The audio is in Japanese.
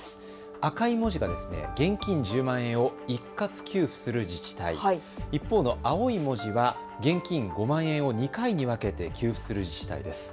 赤い文字が現金１０万円を一括給付する自治体、一方の青い文字は現金５万円を２回に分けて給付する自治体です。